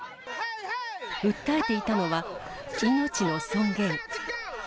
訴えていたのは、命の尊厳。